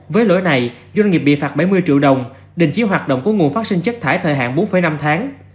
với lỗi này doanh nghiệp bị phạt bảy mươi triệu đồng đình chỉ hoạt động của nguồn phát sinh chất thải thời hạn bốn năm tháng